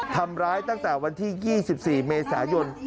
ทำร้ายตั้งแต่วันที่๒๔เมษายน